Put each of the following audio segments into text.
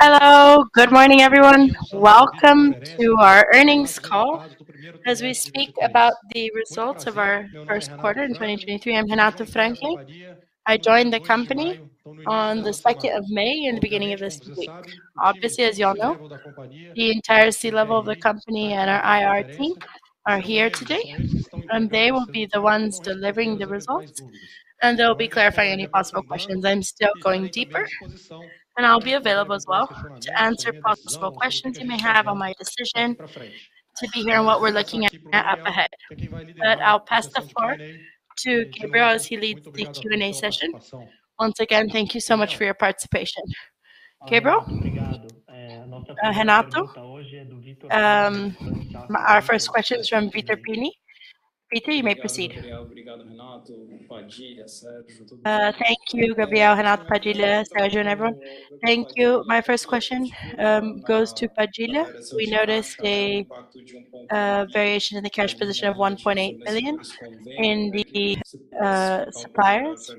Hello. Good morning, everyone. Welcome to our earnings call. As we speak about the results of our first quarter in 2023, I'm Renato Franklin. I joined the company on the 2nd of May in the beginning of this week. Obviously, as you all know, the entire C-level of the company and our IR team are here today, and they will be the ones delivering the results, and they'll be clarifying any possible questions. I'm still going deeper, and I'll be available as well to answer possible questions you may have on my decision to be here and what we're looking at up ahead. I'll pass the floor to Gabriel as he leads the Q&A session. Once again, thank you so much for your participation. Gabriel? Renato, our first question is from Vitor Pini. Vitor, you may proceed. Thank you, Gabriel, Renato, Padilha, Sergio, and everyone. Thank you. My first question goes to Padilha. We noticed a variation in the cash position of 1.8 billion in the suppliers.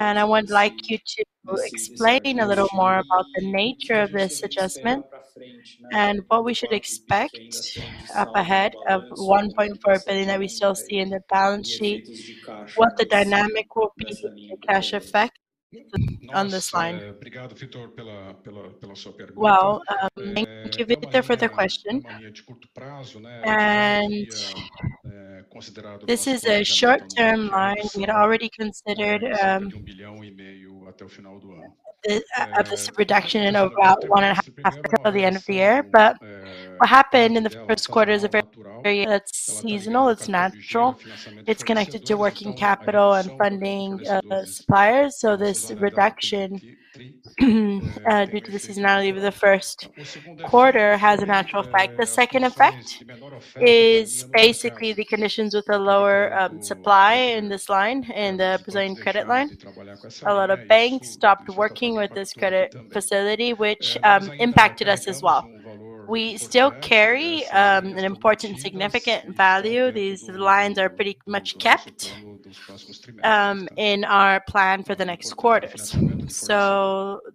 I would like you to explain a little more about the nature of this adjustment and what we should expect up ahead of 1.4 billion that we still see in the balance sheet, what the dynamic will be for cash effect on this line. Well, thank you, Vitor, for the question. This is a short-term line. We had already considered this reduction in about 1.5% of the end of the year. What happened in the first quarter is very seasonal, it's natural, it's connected to working capital and funding the suppliers. This reduction, due to the seasonality of the first quarter has a natural effect. The second effect is basically the conditions with the lower supply in this line, in the Brazilian credit line. A lot of banks stopped working with this credit facility, which impacted us as well. We still carry an important significant value. These lines are pretty much kept in our plan for the next quarters.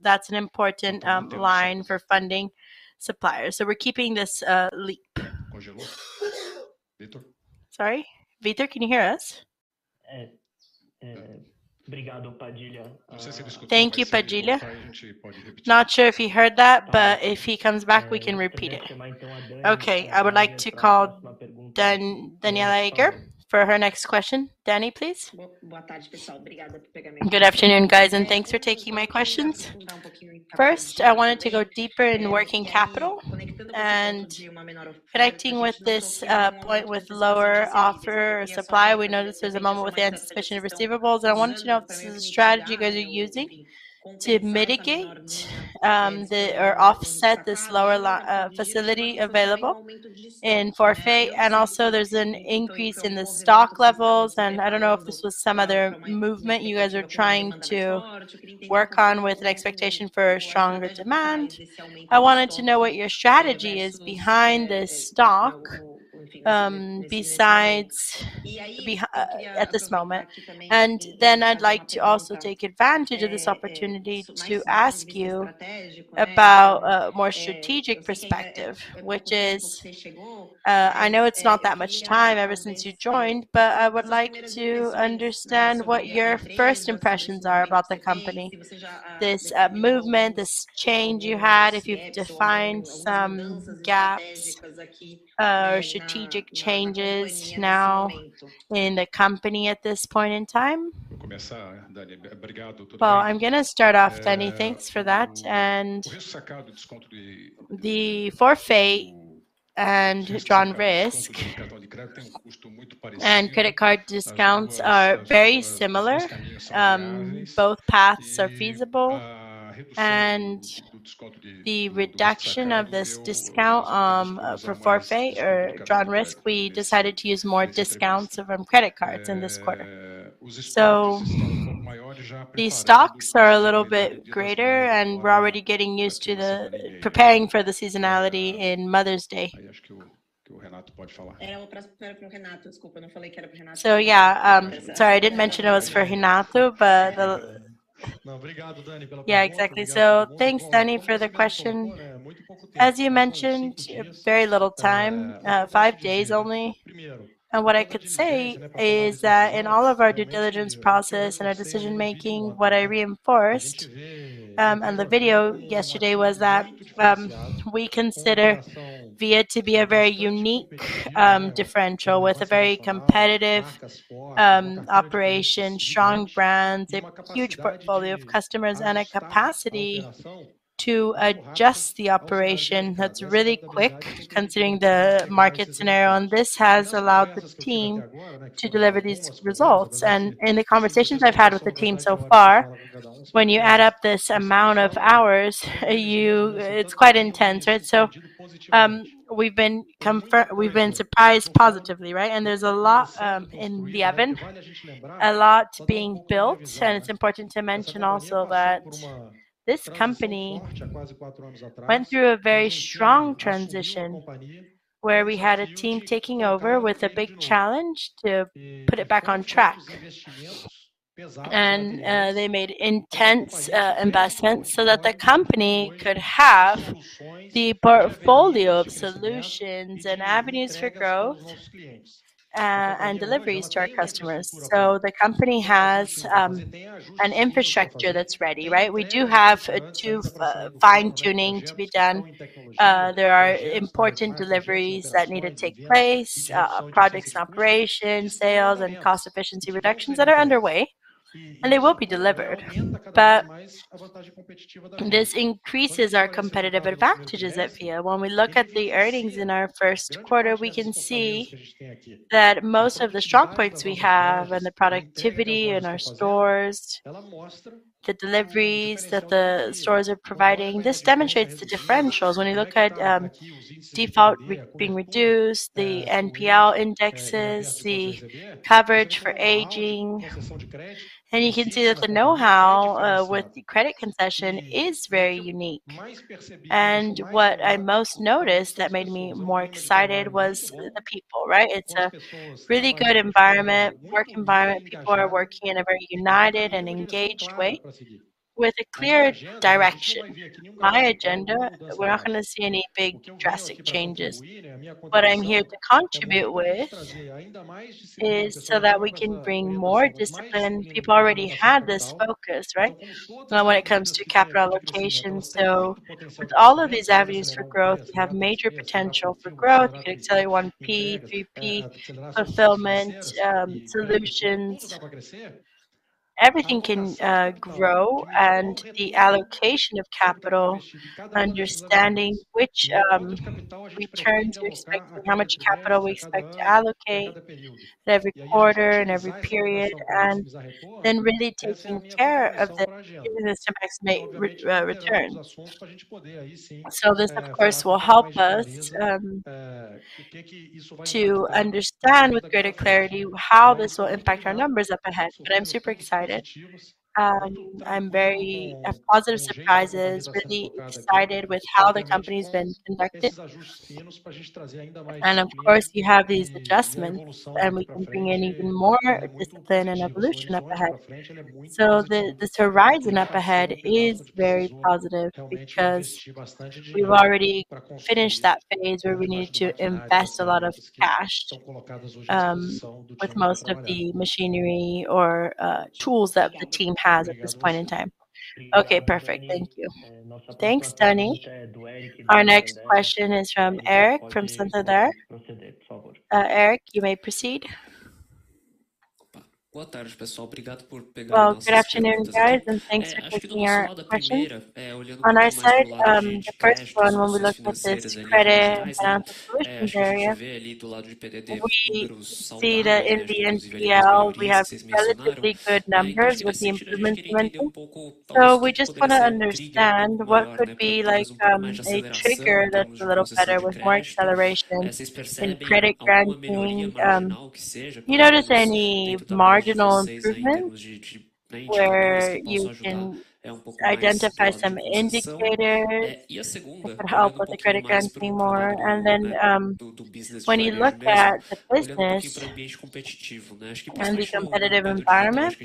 That's an important line for funding suppliers. We're keeping this leap. Sorry. Vitor, can you hear us? Thank you, Padilha. Not sure if he heard that, but if he comes back, we can repeat it. Okay. I would like to call Danniela Eiger for her next question. Dani, please. Good afternoon, guys, thanks for taking my questions. First, I wanted to go deeper in working capital and connecting with this point with lower offer or supply. We know this is a moment with the anticipation of receivables. I wanted to know if this is a strategy you guys are using to mitigate or offset this lower facility available in forfaiting. Also there's an increase in the stock levels, and I don't know if this was some other movement you guys are trying to work on with an expectation for stronger demand. I wanted to know what your strategy is behind this stock besides at this moment. I'd like to also take advantage of this opportunity to ask you about a more strategic perspective, which is, I know it's not that much time ever since you joined, but I would like to understand what your first impressions are about the company. This movement, this change you had, if you've defined some gaps or strategic changes now in the company at this point in time. I'm gonna start off, Dani. Thanks for that. The forfaiting and drawee risk and credit card discounts are very similar. Both paths are feasible. The reduction of this discount for forfaiting or drawee risk, we decided to use more discounts from credit cards in this quarter. These stocks are a little bit greater, and we're already getting used to preparing for the seasonality in Mother's Day. Yeah, sorry, I didn't mention it was for Renato, but yeah, exactly. Thanks, Dani, for the question. As you mentioned, very little time, five days only. What I could say is that in all of our due diligence process and our decision-making, what I reinforced on the video yesterday was that we consider Via to be a very unique differential with a very competitive operation, strong brands, a huge portfolio of customers, and a capacity to adjust the operation that's really quick considering the market scenario. This has allowed the team to deliver these results. In the conversations I've had with the team so far, when you add up this amount of hours, it's quite intense, right? We've been surprised positively, right? There's a lot in the oven, a lot being built. It's important to mention also that this company went through a very strong transition where we had a team taking over with a big challenge to put it back on track. They made intense investments so that the company could have the portfolio of solutions and avenues for growth and deliveries to our customers. The company has an infrastructure that's ready, right? We do have fine-tuning to be done. There are important deliveries that need to take place, projects and operations, sales, and cost efficiency reductions that are underway, and they will be delivered. This increases our competitive advantages at Via. When we look at the earnings in our first quarter, we can see that most of the strong points we have and the productivity in our stores, the deliveries that the stores are providing, this demonstrates the differentials. When you look at default being reduced, the NPL indexes, the coverage for aging, you can see that the know-how with the credit concession is very unique. What I most noticed that made me more excited was the people, right? It's a really good work environment. People are working in a very united and engaged way with a clear direction. My agenda, we're not gonna see any big drastic changes. What I'm here to contribute with is so that we can bring more discipline. People already have this focus, right? When it comes to capital allocation. With all of these avenues for growth, we have major potential for growth. You can accelerate 1P, 3P fulfillment, solutions. Everything can grow, and the allocation of capital, understanding which returns we expect and how much capital we expect to allocate every quarter and every period, and then really taking care of the human system makes returns. This, of course, will help us to understand with greater clarity how this will impact our numbers up ahead. I'm super excited. Have positive surprises, really excited with how the company's been conducted. Of course, you have these adjustments, and we can bring in even more discipline and evolution up ahead. This horizon up ahead is very positive because we've already finished that phase where we needed to invest a lot of cash, with most of the machinery, or tools that the team has at this point in time. Okay, perfect. Thank you. Thanks, Dani. Our next question is from Eric from Santander. Eric, you may proceed. Good afternoon, guys, thanks for taking our questions. On our side, the first one, when we look at this credit and solutions area, we see that in the NPL we have relatively good numbers with the implement momentum. We just wanna understand what could be like a trigger that's a little better with more acceleration in credit granting. You notice any marginal improvements where you can identify some indicators could help with the credit granting more? When you look at the business and the competitive environment,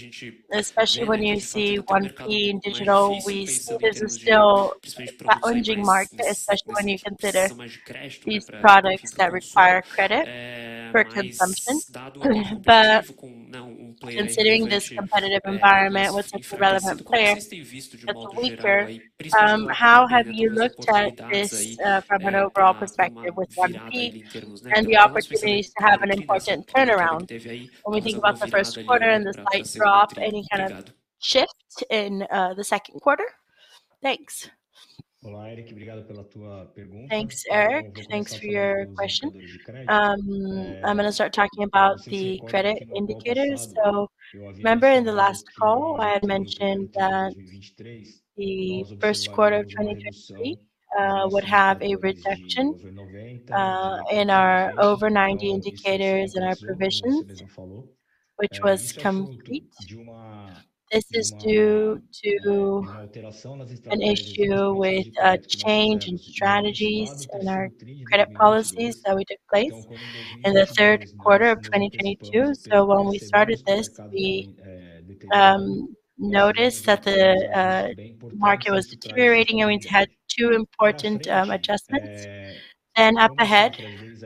especially when you see 1P in digital, we see this is still a challenging market, especially when you consider these products that require credit for consumption. Considering this competitive environment with such a relevant player that's weaker, how have you looked at this from an overall perspective with 1P and the opportunities to have an important turnaround when we think about the first quarter and the slight drop, any kind of shift in the second quarter? Thanks. Thanks, Eric. Thanks for your question. I'm gonna start talking about the credit indicators. Remember in the last call, I had mentioned that the first quarter of 2023 would have a reduction in our over 90 indicators in our provisions, which was complete. This is due to an issue with a change in strategies in our credit policies that we took place in the third quarter of 2022. When we started this, we noticed that the market was deteriorating, and we had two important adjustments. Up ahead,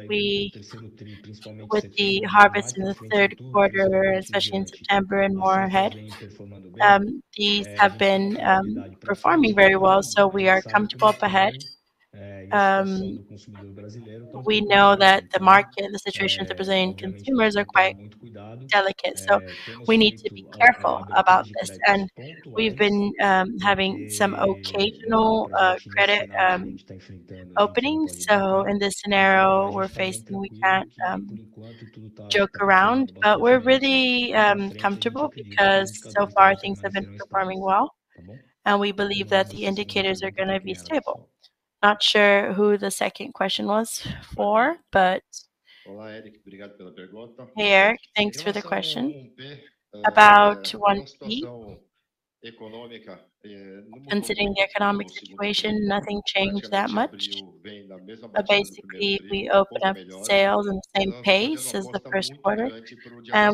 with the harvest in the third quarter, especially in September and more ahead, these have been performing very well, so we are comfortable up ahead. We know that the market and the situation of the Brazilian consumers are quite delicate, so we need to be careful about this. We've been having some occasional credit openings. In this scenario we're facing, we can't joke around. We're really comfortable because so far things have been performing well, and we believe that the indicators are gonna be stable. Not sure who the second question was for. Hey, Eric. Thanks for the question. About 1P. Considering the economic situation, nothing changed that much. Basically, we opened up sales in the same pace as the first quarter.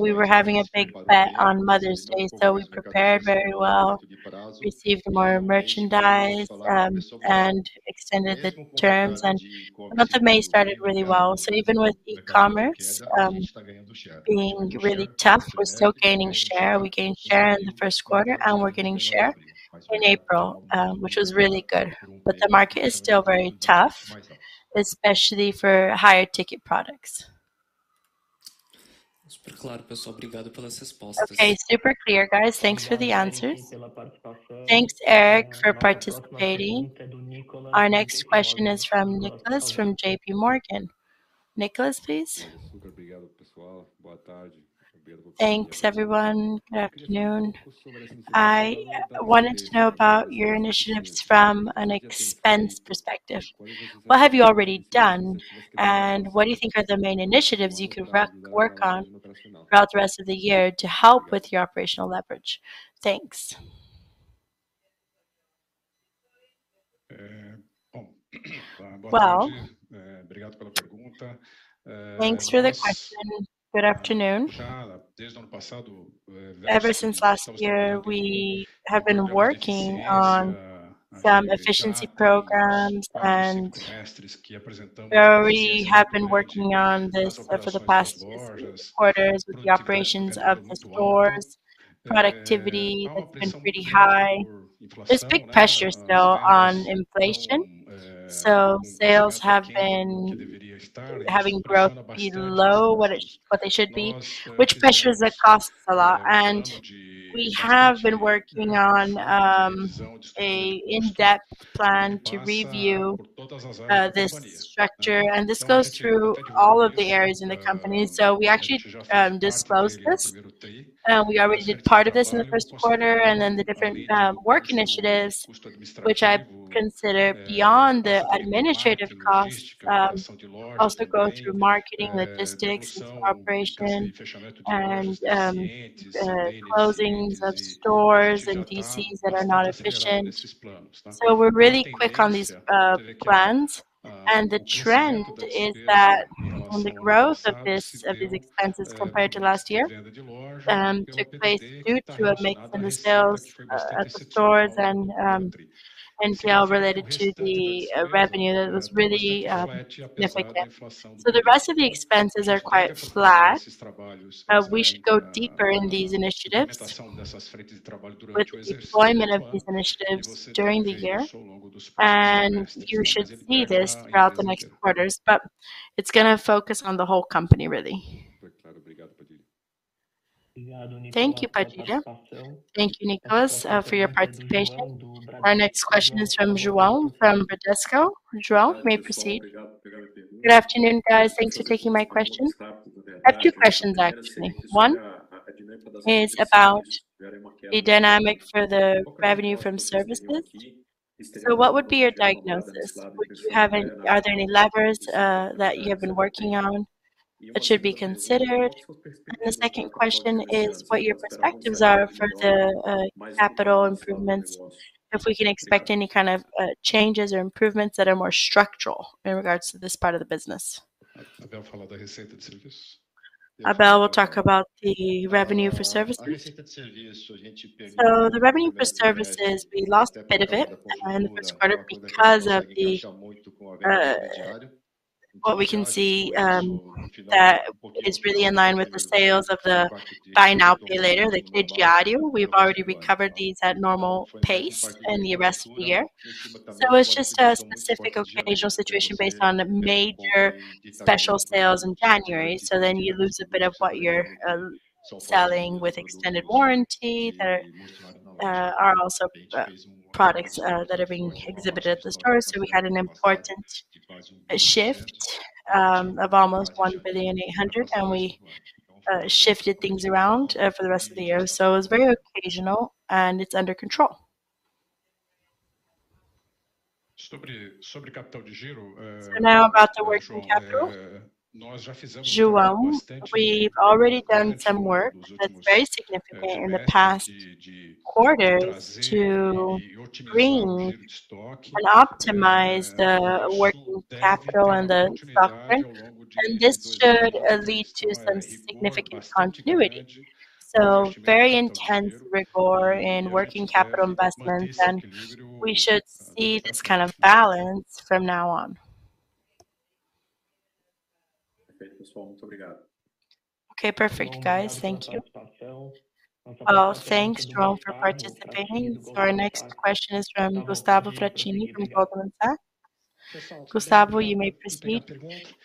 We were having a big bet on Mother's Day, so we prepared very well, received more merchandise, and extended the terms. The month of May started really well. Even with e-commerce being really tough, we're still gaining share. We gained share in the first quarter, and we're gaining share in April, which was really good. The market is still very tough, especially for higher ticket products. Okay. Super clear, guys. Thanks for the answers. Thanks, Eric, for participating. Our next question is from Nicholas from JPMorgan. Nicholas, please. Thanks, everyone. Good afternoon. I wanted to know about your initiatives from an expense perspective. What have you already done, and what do you think are the main initiatives you could work on throughout the rest of the year to help with your operational leverage? Thanks. Well, thanks for the question. Good afternoon. Ever since last year, we have been working on some efficiency programs, and we already have been working on this for the past three quarters with the operations of the stores. Productivity has been pretty high. There's big pressure still on inflation, sales have been having-growth below what they should be, which pressures the costs a lot. We have been working on a in-depth plan to review this structure. This goes through all of the areas in the company. We actually disclosed this. We already did part of this in the first quarter, the different work initiatives, which I consider beyond the administrative costs, also go through marketing, logistics, and corporation, and closings of stores and DCs that are not efficient. We're really quick on these plans. The trend is that on the growth of these expenses compared to last year, took place due to a mix in the sales at the stores and sale related to the revenue that was really significant. The rest of the expenses are quite flat. We should go deeper in these initiatives with deployment of these initiatives during the year, and you should see this throughout the next quarters. It's gonna focus on the whole company, really. Thank you, Padilha. Thank you, Nicholas, for your participation. Our next question is from João from Bradesco. João, you may proceed. Good afternoon, guys. Thanks for taking my question. I have two questions, actually. One is about the dynamic for the revenue from services. What would be your diagnosis? Are there any levers that you have been working on that should be considered? The second question is what your perspectives are for the capital improvements, and if we can expect any kind of changes or improvements that are more structural in regards to this part of the business. Abel will talk about the revenue for services. The revenue for services, we lost a bit of it in the first quarter because of the what we can see that is really in line with the sales of the buy now, pay later, the Crediário. We've already recovered these at normal pace in the rest of the year. It's just a specific occasional situation based on major special sales in January. You lose a bit of what you're selling with extended warranty that are also products that are being exhibited at the stores. We had an important shift of almost 1.8 billion, and we shifted things around for the rest of the year. It was very occasional, and it's under control. Now about the working capital. João, we've already done some work that's very significant in the past quarters to bring and optimize the working capital and the stock front. This should lead to some significant continuity. Very intense rigor in working capital investments, and we should see this kind of balance from now on. Okay. Perfect, guys. Thank you. Well, thanks, João, for participating. Our next question is from Gustavo Fracchini from Creditas. Gustavo, you may proceed.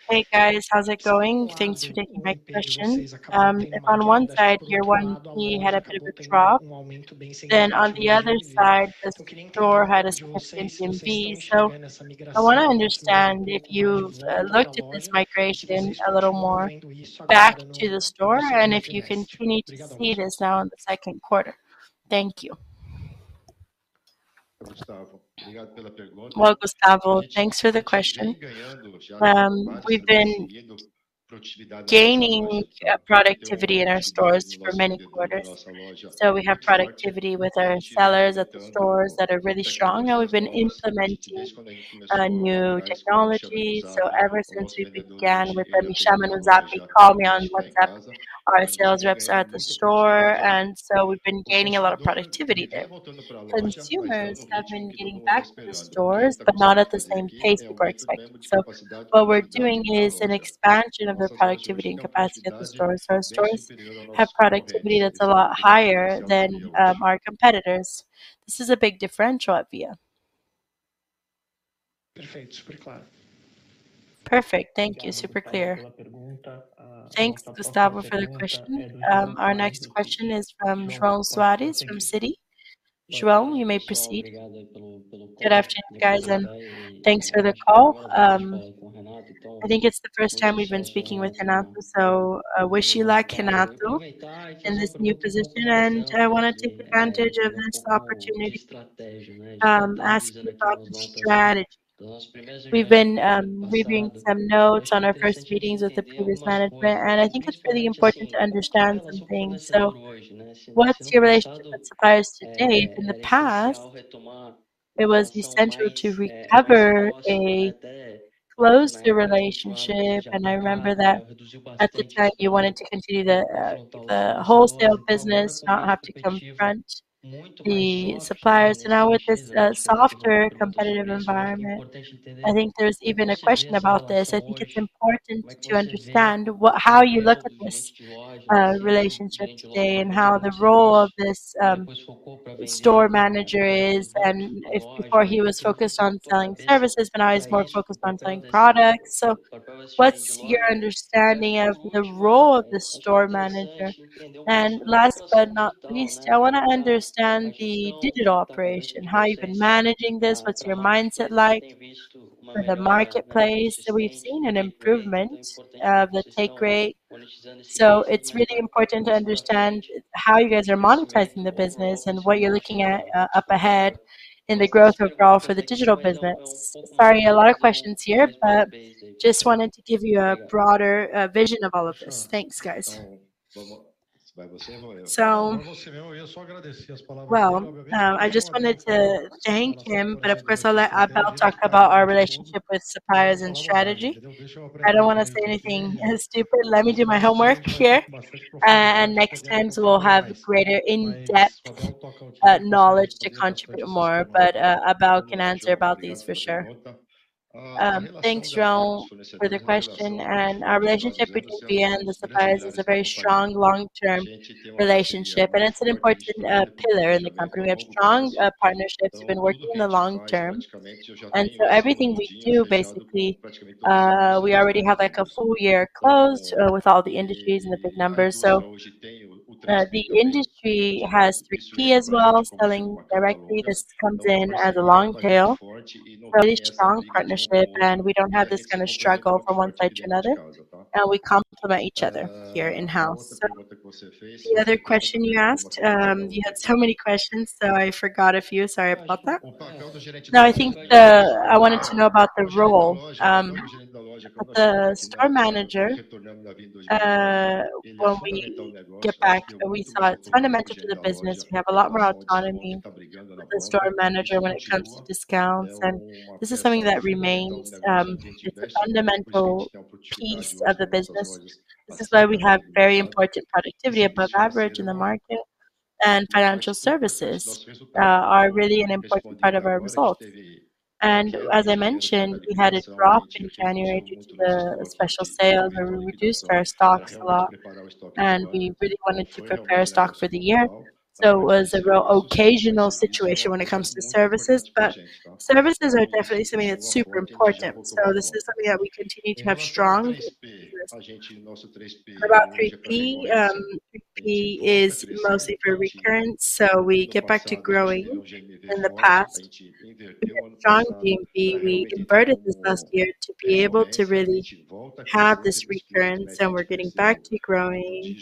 Hey, guys. How's it going? Thanks for taking my question. On one side here, one, we had a bit of a trough. On the other side, the store had a significant V. I wanna understand if you've looked at this migration a little more back to the store and if you continue to see this now in the second quarter. Thank you. Gustavo, thanks for the question. We've been gaining productivity in our stores for many quarters. We have productivity with our sellers at the stores that are really strong, and we've been implementing new technology. Ever since we began with them, me chama no zap called me on WhatsApp, our sales reps are at the store, and so we've been gaining a lot of productivity there. Consumers have been getting back to the stores, but not at the same pace we were expecting. What we're doing is an expansion of the productivity and capacity at the stores. Our stores have productivity that's a lot higher than our competitors. This is a big differential at Via. Perfect. Thank you. Super clear. Thanks, Gustavo, for the question. Our next question is from João Soares from Citi. João, you may proceed. Good afternoon, guys, and thanks for the call. I think it's the first time we've been speaking with Renato, so I wish you luck, Renato, in this new position. I wanna take advantage of this opportunity to ask you about the strategy. We've been reviewing some notes on our first meetings with the previous management, and I think it's really important to understand some things. What's your relationship with suppliers today? In the past, it was essential to recover a closed relationship, and I remember that at the time you wanted to continue the wholesale business, not have to confront the suppliers. Now with this softer competitive environment, I think there's even a question about this. I think it's important to understand how you look at this relationship today and how the role of this store manager is and if before he was focused on selling services, but now he's more focused on selling products. What's your understanding of the role of the store manager? Last but not least, I wanna understand the digital operation, how you've been managing this. What's your mindset like for the marketplace? We've seen an improvement of the take rate. It's really important to understand how you guys are monetizing the business and what you're looking at, up ahead in the growth overall for the digital business. Sorry, a lot of questions here, but just wanted to give you a broader vision of all of this. Thanks, guys. I just wanted to thank him, but of course I'll let Abel talk about our relationship with suppliers and strategy. I don't wanna say anything stupid. Let me do my homework here. Next time we'll have greater in-depth knowledge to contribute more. Abel can answer about these for sure. Thanks, João, for the question. Our relationship with Via and the suppliers is a very strong long-term relationship, and it's an important pillar in the company. We have strong partnerships, we've been working in the long term. Everything we do, basically, we already have like a full year closed, with all the industries and the big numbers. The industry has three key as well. Selling directly just comes in as a long tail. Really strong partnership, and we don't have this kind of struggle from one side to another. We complement each other here in-house. The other question you asked, you had so many questions, so I forgot a few. Sorry about that. No, I think I wanted to know about the role of the store manager. When we get back, we saw it's fundamental to the business. We have a lot more autonomy with the store manager when it comes to discounts, and this is something that remains. It's a fundamental piece of the business. This is why we have very important productivity above average in the market. Financial services are really an important part of our results. As I mentioned, we had a drop in January due to the special sale where we reduced our stocks a lot, and we really wanted to prepare stock for the year. It was a real occasional situation when it comes to services. Services are definitely something that's super important. This is something that we continue to have strong. About 3P. 3P is mostly for recurrence. We get back to growing. In the past, we had strong 3P. We converted this last year to be able to really have this recurrence, and we're getting back to growing.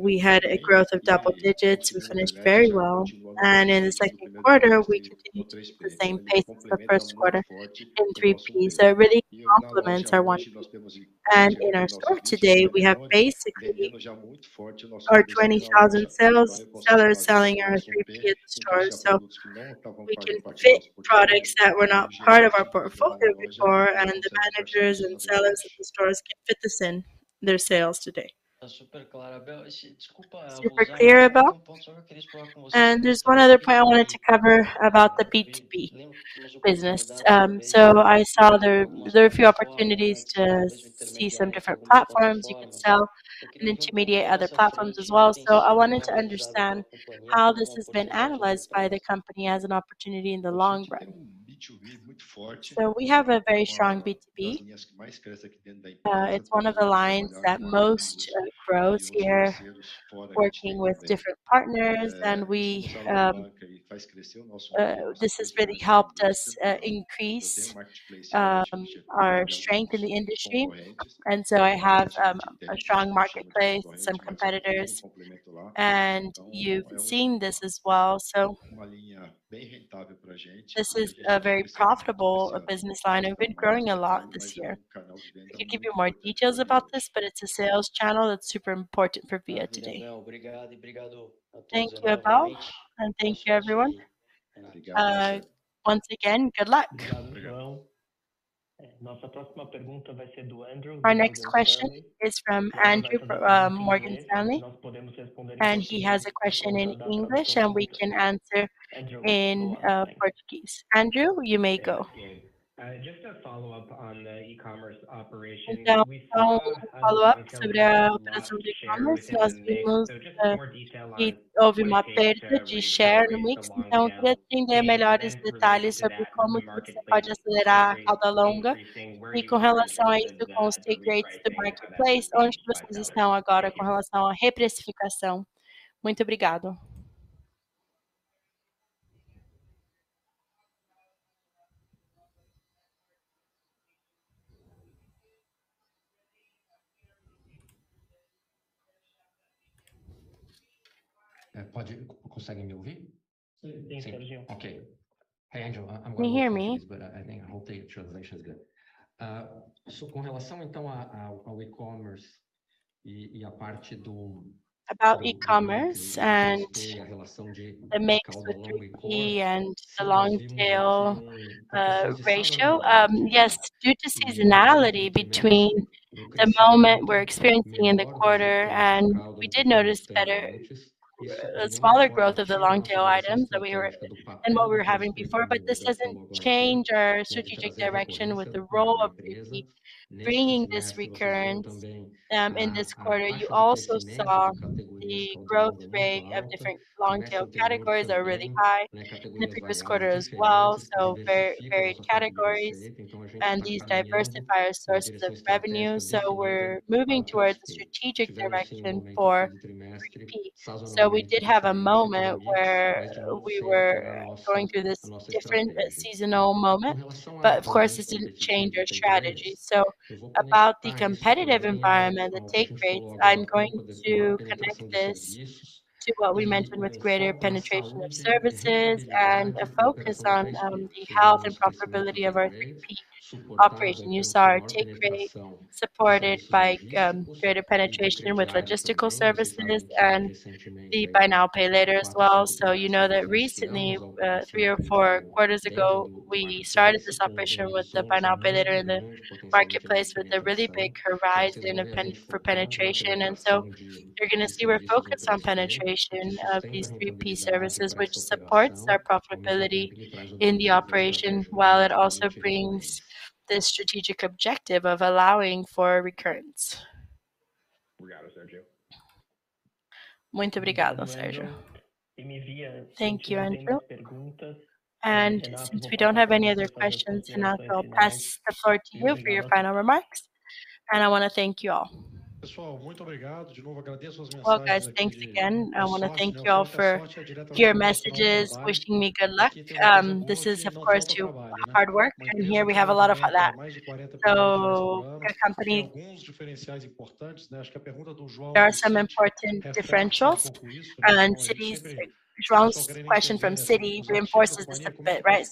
We had a growth of double digits. We finished very well. In the second quarter, we continued the same pace as the first quarter in 3P. It really complements our 1P. In our store today, we have basically our 20,000 sellers selling our 3P at the stores. We can fit products that were not part of our portfolio before, and the managers and sellers at the stores can fit this in their sales today. Super clear, Abel. There's one other point I wanted to cover about the B2B business. I saw there are a few opportunities to see some different platforms you could sell and intermediate other platforms as well. I wanted to understand how this has been analyzed by the company as an opportunity in the long run. We have a very strong B2B. It's one of the lines that most grows. We are working with different partners than we. This has really helped us increase our strength in the industry. I have a strong marketplace, some competitors, and you've seen this as well. This is a very profitable business line, and we've been growing a lot this year. I can give you more details about this, but it's a sales channel that's super important for Via today. Thank you, Abel, and thank you everyone. Once again, good luck. Our next question is from Andrew from Morgan Stanley, and he has a question in English, and we can answer in Portuguese. Andrew, you may go. Just a follow-up on the e-commerce operation. Just some more detail on what you're seeing with the long tail and in relation to the marketplace, where you guys are now in relation to repricing. Can you hear me? I think, I hope the translation is good. About e-commerce and the mix with 3P and the long tail ratio. Yes, due to seasonality between the moment we're experiencing in the quarter and we did notice better. A smaller growth of the long tail items than what we were having before. This doesn't change our strategic direction with the role of bringing this recurrence in this quarter. You also saw the growth rate of different long tail categories are really high in the previous quarter as well. Varied categories, and these diversify our source of revenue. We're moving towards strategic direction for 3P. We did have a moment where we were going through this different seasonal moment, of course this didn't change our strategy. About the competitive environment, the take rates, I'm going to connect this to what we mentioned with greater penetration of services and a focus on the health and profitability of our 3P operation. You saw our take rate supported by greater penetration with logistical services and the buy now, pay later as well. You know that recently, three or four quarters ago, we started this operation with the buy now, pay later in the marketplace with a really big horizon for penetration. You're gonna see we're focused on penetration of these 3P services, which supports our profitability in the operation, while it also brings the strategic objective of allowing for recurrence. Thank you, Andrew. Since we don't have any other questions, Renato, I'll pass the floor to you for your final remarks. I wanna thank you all. Well, guys, thanks again. I wanna thank you all for your messages wishing me good luck. This is of course due hard work, and here we have a lot of that. There are some important differentials and João's question from Citi reinforces this a bit, right?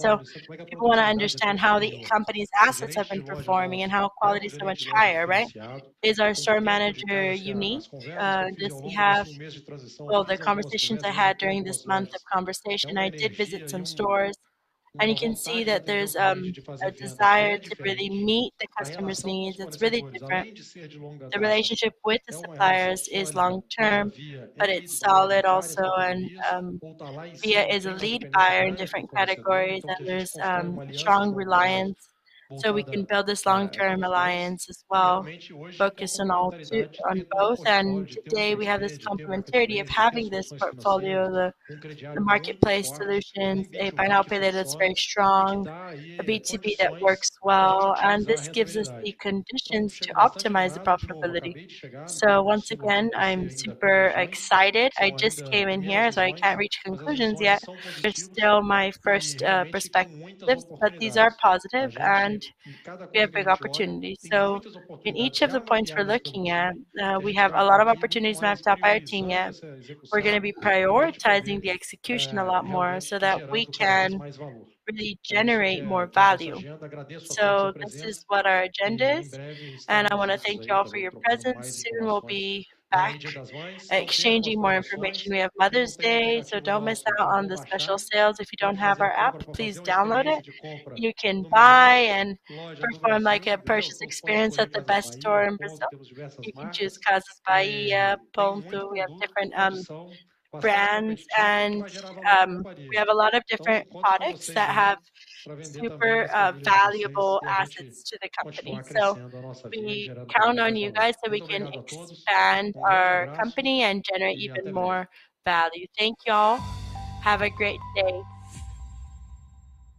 People wanna understand how the company's assets have been performing and how quality is so much higher, right? Is our store manager unique? Well, the conversations I had during this month of conversation, I did visit some stores. You can see that there's a desire to really meet the customer's needs. It's really different. The relationship with the suppliers is long-term, but it's solid also. Via is a lead buyer in different categories, and there's strong reliance. We can build this long-term alliance as well, focus on both. Today we have this complementarity of having this portfolio, the marketplace solutions, a buy now, pay later that's very strong, a B2B that works well. This gives us the conditions to optimize the profitability. Once again, I'm super excited. I just came in here, so I can't reach conclusions yet. They're still my first perspectives, but these are positive, and we have big opportunities. In each of the points we're looking at, we have a lot of opportunities we have to prioritize. We're gonna be prioritizing the execution a lot more so that we can really generate more value. This is what our agenda is, and I wanna thank you all for your presence. Soon we'll be back exchanging more information. We have Mother's Day, don't miss out on the special sales. If you don't have our app, please download it. You can buy and perform like a purchase experience at the best store in Brazil. You can choose Casas Bahia, Ponto. We have different brands, and we have a lot of different products that have super valuable assets to the company. We count on you guys so we can expand our company and generate even more value. Thank you all. Have a great day.